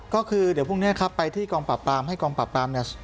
ก็คือเดี๋ยวพรุ่งนี้ครับไปที่กองปราบปรามให้กองปราบปรามเนี่ย